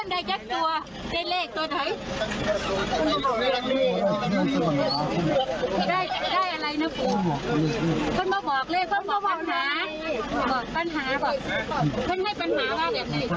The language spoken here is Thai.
มีคุณหมอบบอกปัญหาบอก